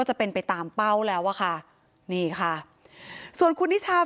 ช่วงตกประเทศนะครับ